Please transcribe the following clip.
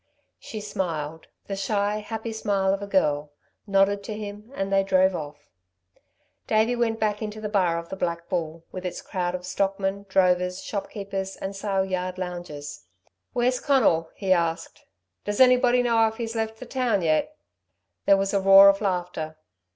She smiled, the shy, happy smile of a girl, nodded to him, and they drove off. Davey went back into the bar of the Black Bull, with its crowd of stockmen, drovers, shop keepers and sale yard loungers. "Where's Conal?" he asked. "Does anybody know if he's left the town yet?" There was a roar of laughter.